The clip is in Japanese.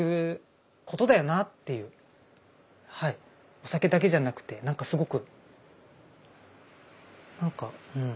お酒だけじゃなくてなんかすごくなんかうん。